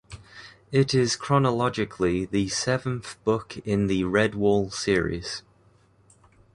It is chronologically the seventh book in the "Redwall" series.